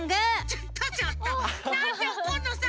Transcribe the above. ちょっとちょっとなんでおこんのさ！